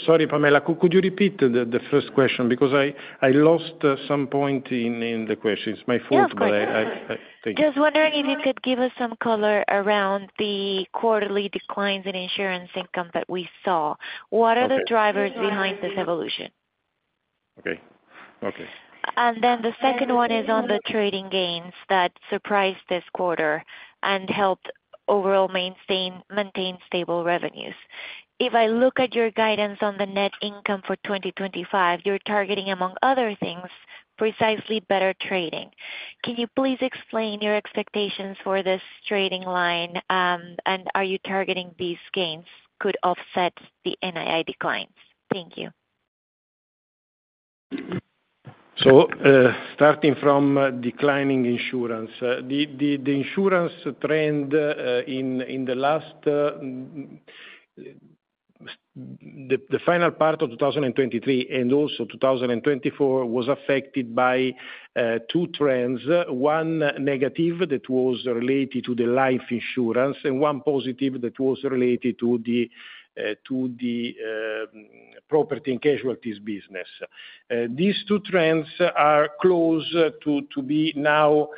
Speaker 2: Sorry, Pamela. Could you repeat the first question? Because I lost the point in the questions. My fault, but I think.
Speaker 9: Just wondering if you could give us some color around the quarterly declines in insurance income that we saw. What are the drivers behind this evolution?
Speaker 2: Okay. Okay.
Speaker 9: Then the second one is on the trading gains that surprised this quarter and helped overall maintain stable revenues. If I look at your guidance on the net income for 2025, you're targeting, among other things, precisely better trading. Can you please explain your expectations for this trading line, and are you targeting these gains could offset the NII declines? Thank you.
Speaker 2: Starting from declining insurance, the insurance trend in the final part of 2023 and also 2024 was affected by two trends. One negative that was related to the life insurance and one positive that was related to the property and casualty business. These two trends are close to be now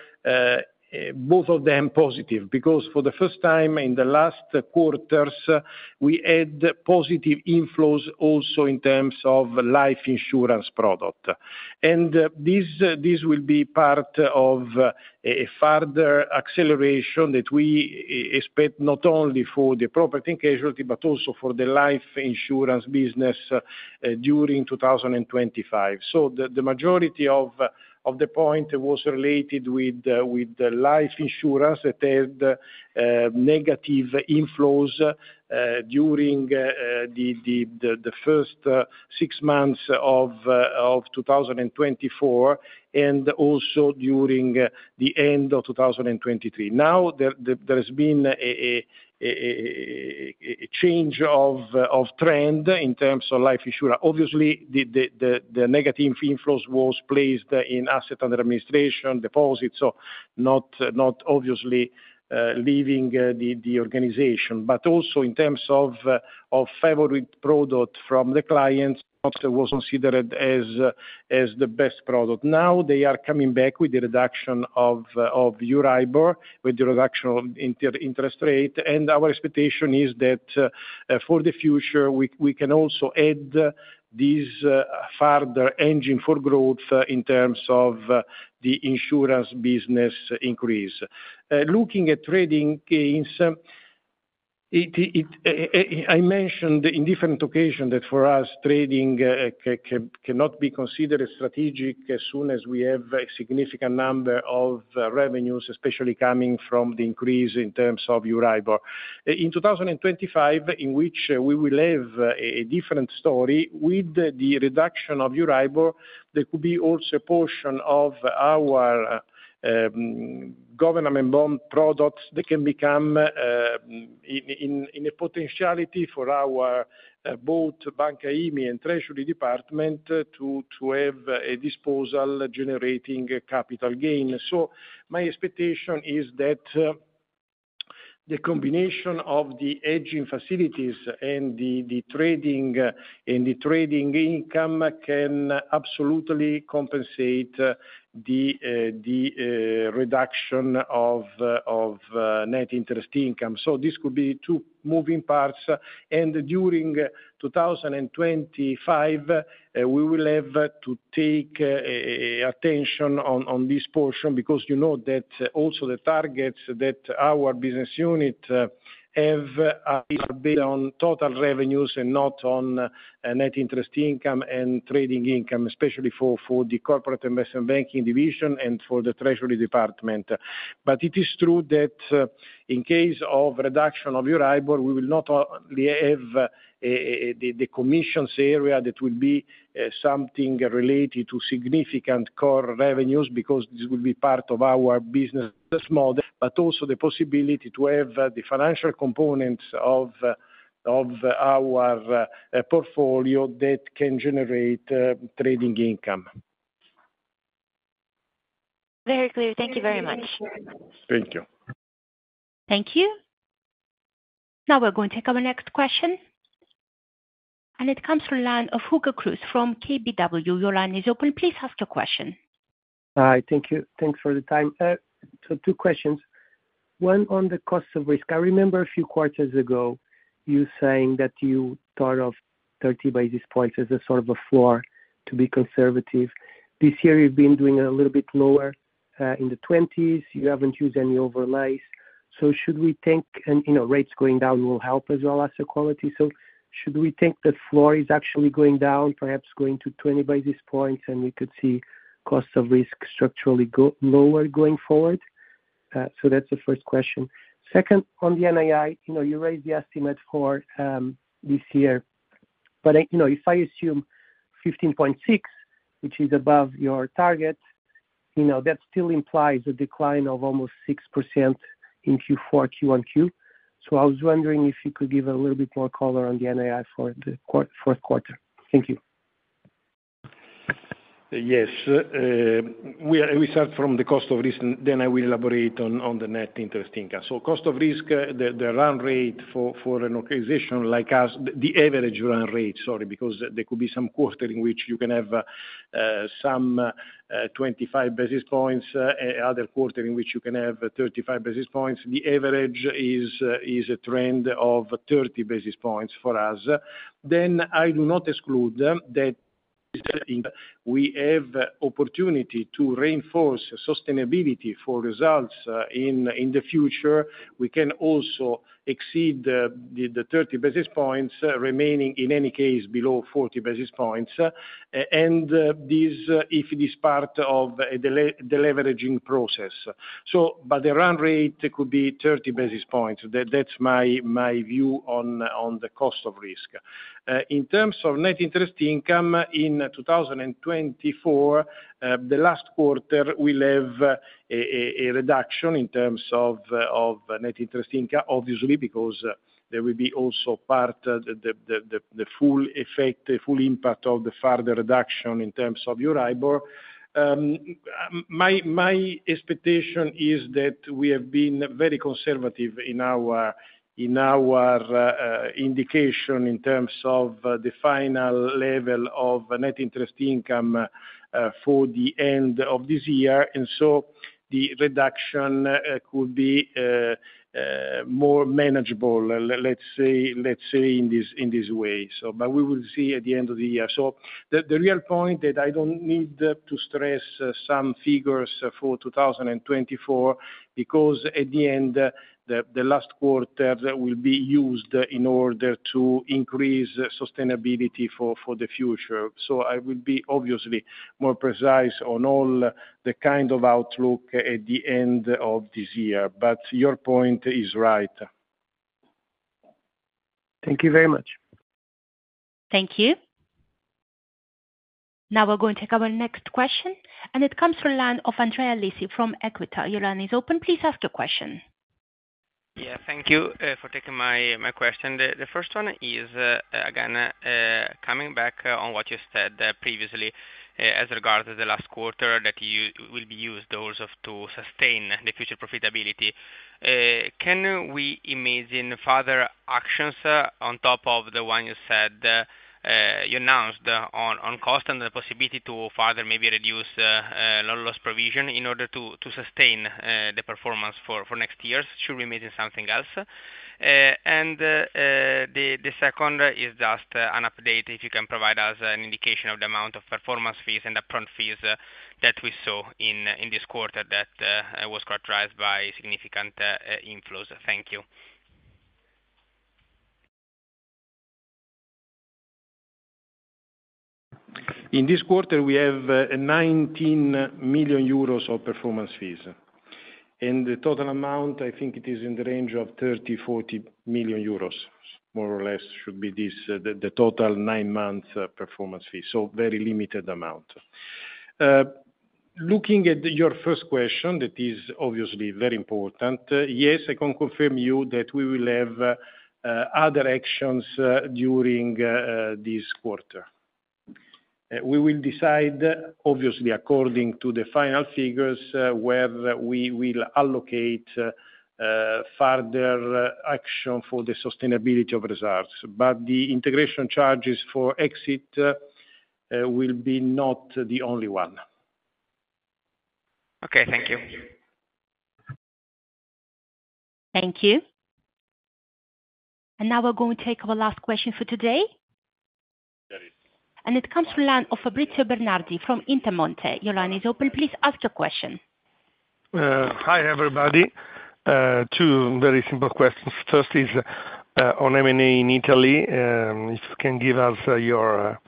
Speaker 2: both of them positive because for the first time in the last quarters, we had positive inflows also in terms of life insurance product. And this will be part of a further acceleration that we expect not only for the property and casualty, but also for the life insurance business during 2025. So the majority of the point was related with life insurance that had negative inflows during the first six months of 2024 and also during the end of 2023. Now there has been a change of trend in terms of life insurance. Obviously, the negative inflows were placed in asset under administration deposits, so not obviously leaving the organization. But also in terms of favorite product from the clients, it was considered as the best product. Now they are coming back with the reduction of Euribor, with the reduction of interest rate. And our expectation is that for the future, we can also add this further engine for growth in terms of the insurance business increase. Looking at trading gains, I mentioned in different occasions that for us, trading cannot be considered strategic as soon as we have a significant number of revenues, especially coming from the increase in terms of Euribor. In 2025, in which we will have a different story with the reduction of Euribor, there could be also a portion of our government bond products that can become in a potentiality for our both Banking Book and Treasury Department to have a disposal generating capital gain, so my expectation is that the combination of the hedging facilities and the trading income can absolutely compensate the reduction of net interest income, so this could be two moving parts. During 2025, we will have to take attention on this portion because you know that also the targets that our business unit have are based on total revenues and not on net interest income and trading income, especially for the Corporate Investment Banking Division and for the Treasury Department. But it is true that in case of reduction of Euribor, we will not only have the commissions area that will be something related to significant core revenues because this will be part of our business model, but also the possibility to have the financial components of our portfolio that can generate trading income.
Speaker 9: Very clear. Thank you very much.
Speaker 2: Thank you.
Speaker 1: Thank you. Now we're going to take our next question, and it comes from the line of Hugo Cruz from KBW. Your line is open. Please ask your question.
Speaker 10: Hi. Thank you. Thanks for the time. So two questions. One on the cost of risk. I remember a few quarters ago, you were saying that you thought of 30 basis points as a sort of a floor to be conservative. This year, you've been doing a little bit lower in the 20s. You haven't used any overlays. So should we think rates going down will help as well as the quality? So should we think the floor is actually going down, perhaps going to 20 basis points, and we could see cost of risk structurally lower going forward? So that's the first question. Second, on the NII, you raised the estimate for this year. But if I assume 15.6, which is above your target, that still implies a decline of almost 6% in Q4, Q1, Q. So I was wondering if you could give a little bit more color on the NII for the fourth quarter. Thank you.
Speaker 2: Yes. We start from the cost of risk, then I will elaborate on the net interest income, so cost of risk, the run rate for an organization like us, the average run rate, sorry, because there could be some quarter in which you can have some 25 basis points, another quarter in which you can have 35 basis points. The average is a trend of 30 basis points for us. Then I do not exclude that we have opportunity to reinforce sustainability for results in the future. We can also exceed the 30 basis points, remaining in any case below 40 basis points, and if this part of the leveraging process, but the run rate could be 30 basis points. That's my view on the cost of risk. In terms of net interest income in 2024, the last quarter, we have a reduction in terms of net interest income, obviously, because there will be also part of the full effect, the full impact of the further reduction in terms of Euribor. My expectation is that we have been very conservative in our indication in terms of the final level of net interest income for the end of this year. And so the reduction could be more manageable, let's say, in this way. But we will see at the end of the year. So the real point that I don't need to stress some figures for 2024 because at the end, the last quarter will be used in order to increase sustainability for the future. So I will be obviously more precise on all the kind of outlook at the end of this year. But your point is right.
Speaker 10: Thank you very much.
Speaker 1: Thank you. Now we're going to take our next question, and it comes from the line of Andrea Lisi from Equita. Your line is open. Please ask your question.
Speaker 11: Yeah. Thank you for taking my question. The first one is, again, coming back on what you said previously as regards to the last quarter that will be used also to sustain the future profitability. Can we imagine further actions on top of the one you announced on cost and the possibility to further maybe reduce loan loss provision in order to sustain the performance for next years? Should we imagine something else? And the second is just an update, if you can provide us an indication of the amount of performance fees and upfront fees that we saw in this quarter that was characterized by significant inflows. Thank you.
Speaker 2: In this quarter, we have 19 million euros of performance fees. And the total amount, I think it is in the range of 30 million-40 million euros, more or less, should be the total nine-month performance fee. So very limited amount. Looking at your first question, that is obviously very important, yes, I can confirm you that we will have other actions during this quarter. We will decide, obviously, according to the final figures where we will allocate further action for the sustainability of results. But the integration charges for exit will be not the only one.
Speaker 11: Okay. Thank you.
Speaker 1: Thank you. And now we're going to take our last question for today. And it comes from the line of Fabrizio Bernardi from Intermonte. Your line is open. Please ask your question.
Speaker 12: Hi, everybody. Two very simple questions. First is on M&A in Italy. If you can give us your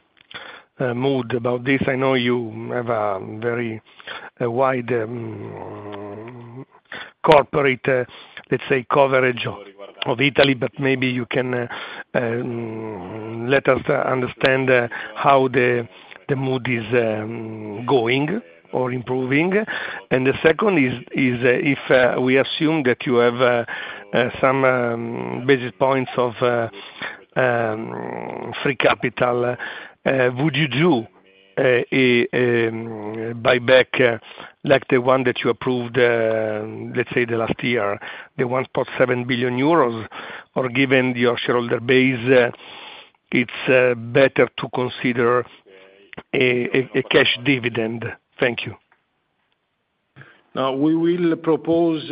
Speaker 12: mood about this. I know you have a very wide corporate, let's say, coverage of Italy, but maybe you can let us understand how the mood is going or improving. And the second is, if we assume that you have some basis points of free capital, would you do a buyback like the one that you approved, let's say, the last year, the 1.7 billion euros, or given your shareholder base, it's better to consider a cash dividend? Thank you.
Speaker 2: Now, we will propose,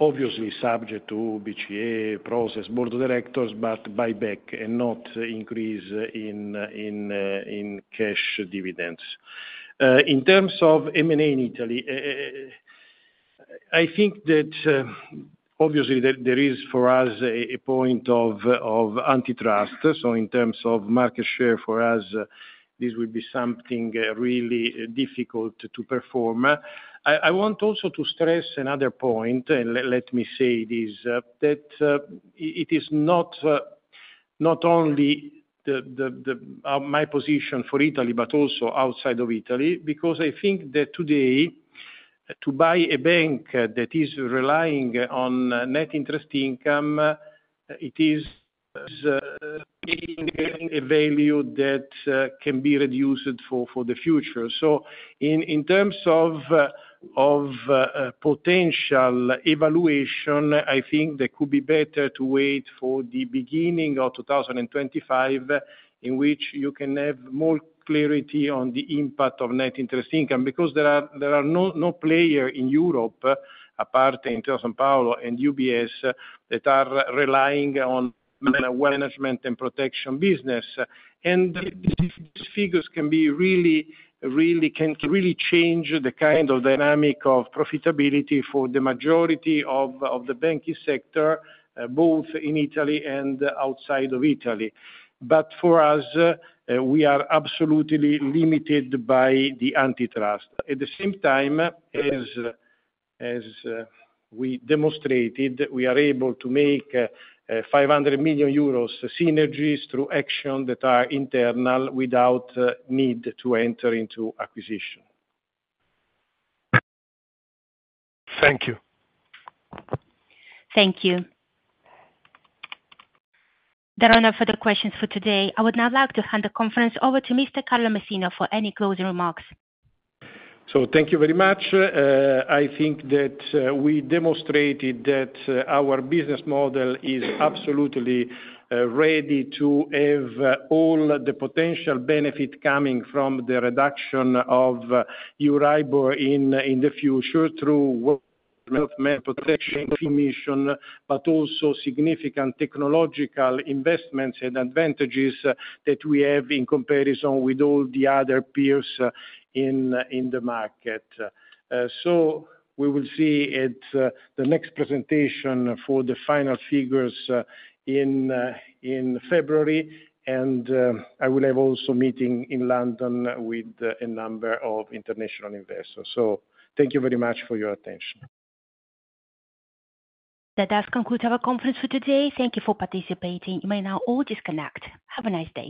Speaker 2: obviously, subject to BCA process, board of directors, but buyback and not increase in cash dividends. In terms of M&A in Italy, I think that, obviously, there is for us a point of antitrust. So in terms of market share for us, this will be something really difficult to perform. I want also to stress another point, and let me say this, that it is not only my position for Italy, but also outside of Italy, because I think that today, to buy a bank that is relying on net interest income, it is taking a value that can be reduced for the future. So in terms of potential valuation, I think that it could be better to wait for the beginning of 2025, in which you can have more clarity on the impact of net interest income, because there are no players in Europe, apart from Intesa Sanpaolo and UBS, that are relying on management and protection business. And these figures can really change the kind of dynamic of profitability for the majority of the banking sector, both in Italy and outside of Italy. But for us, we are absolutely limited by the antitrust. At the same time, as we demonstrated, we are able to make 500 million euros synergies through actions that are internal without need to enter into an acquisition.
Speaker 12: Thank you.
Speaker 1: Thank you. There are no further questions for today. I would now like to hand the conference over to Mr. Carlo Messina for any closing remarks.
Speaker 2: So thank you very much. I think that we demonstrated that our business model is absolutely ready to have all the potential benefit coming from the reduction of Euribor in the future through wealth management, protection, commissions, but also significant technological investments and advantages that we have in comparison with all the other peers in the market. So we will see at the next presentation for the final figures in February, and I will have also a meeting in London with a number of international investors. So thank you very much for your attention.
Speaker 1: That does conclude our conference for today. Thank you for participating. You may now all disconnect. Have a nice day.